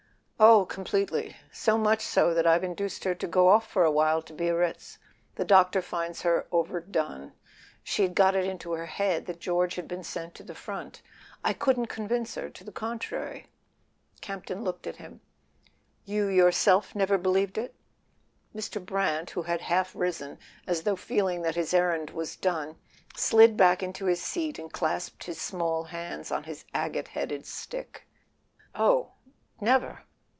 "Oh, completely. So much so that I've induced her to go off for a while to Biarritz. The doctor finds her overdone; she'd got it into her head that George had been sent to the front; I couldn't convince her to the contrary." Camp ton looked at him. "You yourself never be¬ lieved it ?" Mr. Brant, who had half risen, as though feeling that his errand was done, slid back into his seat and clasped his small hands on his agate headed stick. "Oh, never."